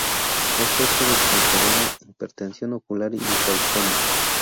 Este hecho desencadena hipertensión ocular y glaucoma.